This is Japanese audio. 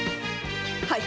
はい。